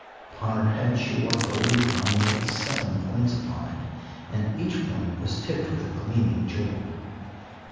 Upon her head she wore a golden crown with seven points upon it, and each point was tipped with a gleaming jewel.